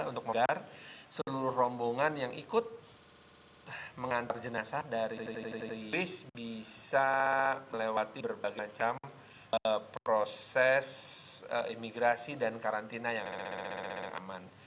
untuk membayar seluruh rombongan yang ikut mengantar jenazah dari bis bisa melewati berbagai macam proses imigrasi dan karantina yang aman